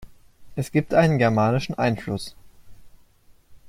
Es gibt einen germanischen Einfluss.